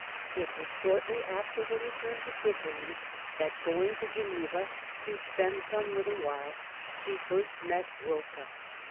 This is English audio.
It was shortly after her return to Switzerland that, going to Geneva to spend some little while, she first met Rocca.